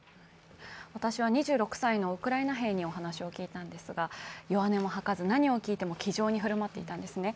私は２６歳のウクライナ兵にお話を聞いたんですが弱音も吐かず、何を聞いても気丈に振る舞っていたんですね。